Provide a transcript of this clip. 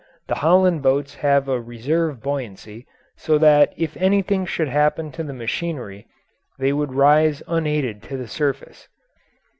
The Holland boats have a reserve buoyancy, so that if anything should happen to the machinery they would rise unaided to the surface.